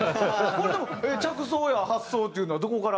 これでも着想や発想というのはどこから？